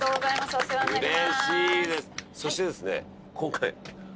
お世話になります。